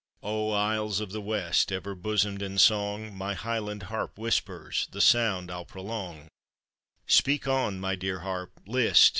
O ! Isles of the West, ever bosomed in song, My Highland harp whispers — the sound I'll prolong ; Speak on! my dear harp; list!